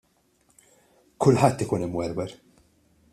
Kulħadd ikun imwerwer.